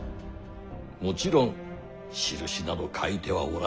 もちろん印など描いてはおらぬ。